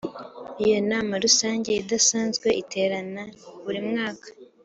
iyonama rusange idasanzwe iterana buri mwaka.